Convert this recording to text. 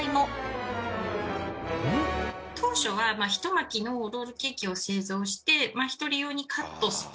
当初はひと巻きのロールケーキを製造して一人用にカットする。